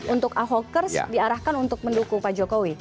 untuk ahokers diarahkan untuk mendukung pak jokowi